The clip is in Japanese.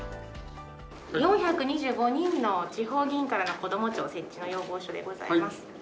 ４２５人の地方議員からのこども庁設置の要望書でございます。